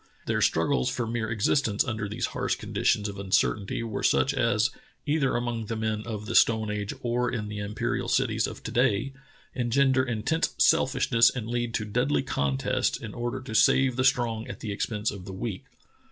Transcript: Their struggles for mere existence under these harsh conditions of uncertainty w^ere such as — either among the men of the stone age or in the imperial cities of to day — engender intense selfishness and lead to deadly contests in order to save the strong at the expense of the weak.